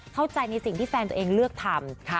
เข้าใจในสิ่งที่แฟนตัวเองเลือกทำ